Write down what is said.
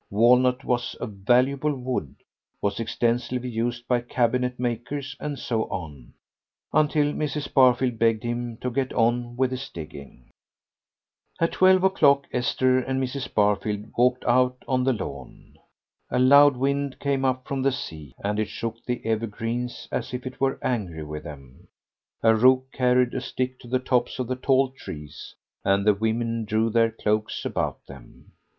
Walnut was a valuable wood, was extensively used by cabinetmakers, and so on, until Mrs. Barfield begged him to get on with his digging. At twelve o'clock Esther and Mrs. Barfield walked out on the lawn. A loud wind came up from the sea, and it shook the evergreens as if it were angry with them. A rook carried a stick to the tops of the tall trees, and the women drew their cloaks about them.